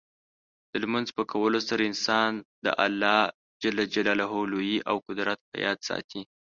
د لمونځ په کولو سره انسان د الله لویي او قدرت په یاد ساتي.